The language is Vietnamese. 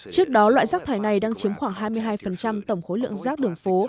trước đó loại rác thải này đang chiếm khoảng hai mươi hai tổng khối lượng rác đường phố